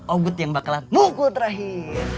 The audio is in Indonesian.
uget yang bakalan mukul terakhir